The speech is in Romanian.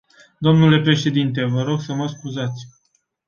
Dle președinte, vă rog să mă scuzați.